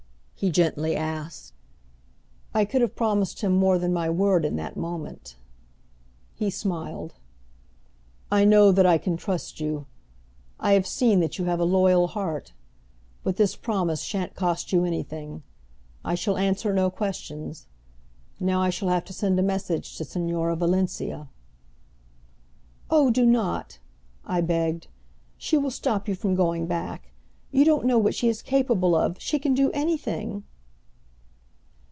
he gently asked. I could have promised him more than my word in that moment. He smiled. "I know that I can trust you. I have seen that you have a loyal heart; but this promise shan't cost you anything. I shall answer no questions. Now, I shall have to send a message to Señora Valencia." "Oh, do not," I begged. "She will stop you from going back. You don't know what she is capable of; she can do anything!"